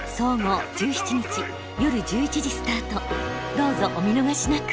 どうぞお見逃しなく！